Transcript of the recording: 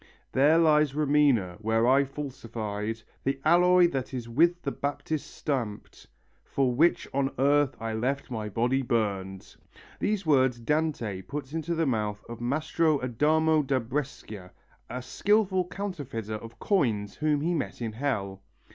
There lies Romena, where I falsified The alloy that is with the Baptist stamped For which on earth I left my body burned. These words Dante puts into the mouth of Mastro Adamo da Brescia, a skilful counterfeiter of coins whom he met in hell.